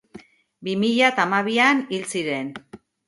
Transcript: Bi mila eta hamabian hil ziren.